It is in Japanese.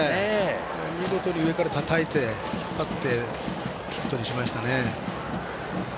見事に上からたたいて引っ張ってヒットにしましたね。